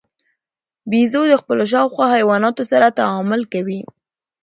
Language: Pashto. بیزو د خپلو شاوخوا حیواناتو سره تعامل کوي.